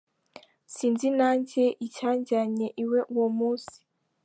Sinzi nanjye icyanjyanye iwe uwo munsi.